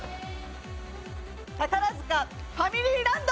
宝塚ファミリーランド。